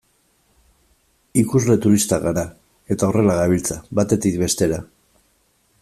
Ikusle turistak gara, eta horrela gabiltza, batetik bestera.